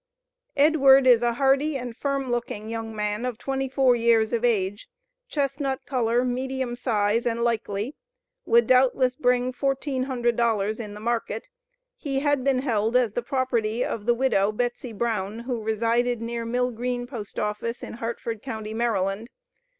Edward is a hardy and firm looking young man of twenty four years of age, chestnut color, medium size, and "likely," would doubtless bring $1,400 in the market. He had been held as the property of the widow, "Betsy Brown," who resided near Mill Green P.O., in Harford county, Md.